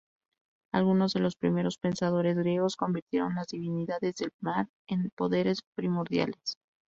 Algunos de los primeros pensadores griegos convirtieron las divinidades del mar en poderes primordiales.